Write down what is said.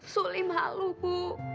suli malu ibu